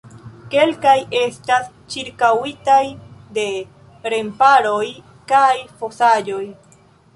Kelkaj estas ĉirkaŭitaj de remparoj kaj fosaĵoj.